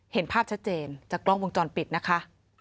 เห็นภาพชัดเจนจากกล้องวงจรปิดนะคะ